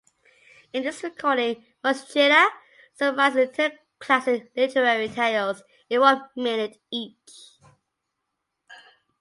In this recording, Moschitta summarizes ten classic literary tales in one minute each.